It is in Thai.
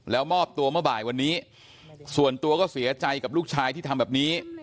แล้วมอบตัวเมื่อบ่ายวันนี้ส่วนตัวก็เสียใจกับลูกชายที่ทำแบบนี้